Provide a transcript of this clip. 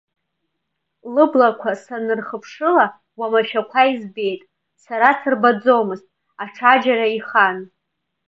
Лыблақәа санырхыԥшыла уамашәақәа избеит, сара сырбаӡомызт, аҽаџьара ихан.